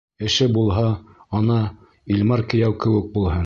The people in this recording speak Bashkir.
Эше булһа, ана, Илмар кейәү кеүек булһын.